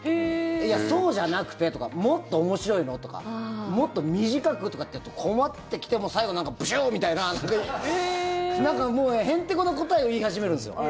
いや、そうじゃなくてとかもっと面白いのとかもっと短くとかって言うと困ってきて最後、なんかブシュー！みたいななんかへんてこな答えを言い始めるんですよ。